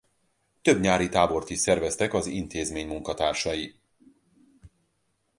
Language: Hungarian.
Több nyári tábort is szerveztek az intézmény munkatársai.